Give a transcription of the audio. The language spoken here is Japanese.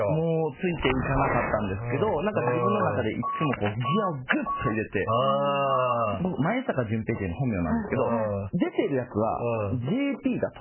ついていかなかったんですけど自分の中でいつもこうギアをぐっと入れて僕、前坂淳平っていうのが本名なんですけど出てるやつはＪＰだと。